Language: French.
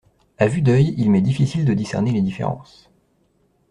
À vue d’œil, il m’est difficile de discerner les différences.